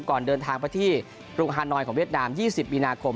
ก่อนเดินทางไปที่กรุงฮานอยของเวียดนาม๒๐มีนาคม